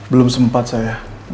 belum sempat sayang